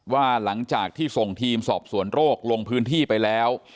ว่าหลังจากที่ส่งทีมสอบสวนโรคลงพื้นที่ไปแล้ว